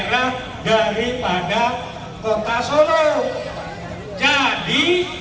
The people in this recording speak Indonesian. saya ini bukan ini